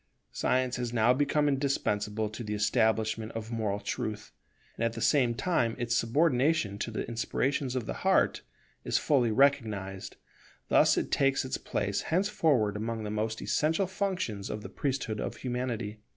Science has now become indispensable to the establishment of moral truth, and at the same time its subordination to the inspirations of the heart is fully recognized; thus it takes its place henceforward among the most essential functions of the priesthood of Humanity.